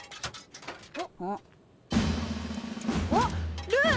あっルー！